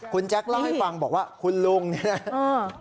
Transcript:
คุณแจ๊คเล่าให้ฟังบอกว่าคุณลุงเนี่ย